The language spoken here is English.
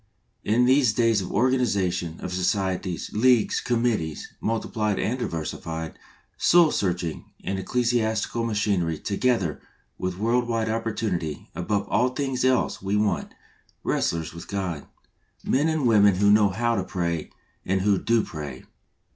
In these days of organisation, of societies, leagues, committees, multiplied and diversified, soul saving and ecclesiastical machinery, together with world wide opportunity, above all things else we want " wrestlers with God — men and women who know how to pray and who do pray.